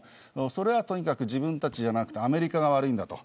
とにかく自分たちじゃなくてアメリカが悪いんだと。